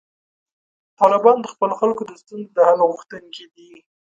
طالبان د خپلو خلکو د ستونزو د حل غوښتونکي دي.